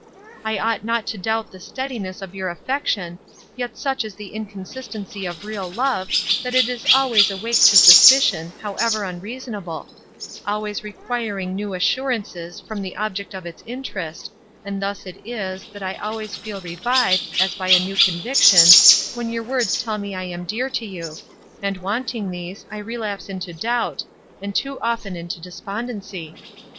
I ought not to doubt the steadiness of your affection, yet such is the inconsistency of real love, that it is always awake to suspicion, however unreasonable; always requiring new assurances from the object of its interest, and thus it is, that I always feel revived, as by a new conviction, when your words tell me I am dear to you; and, wanting these, I relapse into doubt, and too often into despondency."